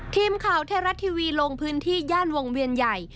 ทีมข่าวไทยรัฐทีวีลงพื้นที่ย่านวงเวียนใหญ่